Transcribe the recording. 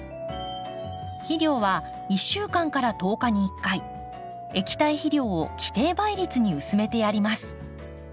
肥料は１週間１０日に１回液体肥料を規定倍率に薄めてやります。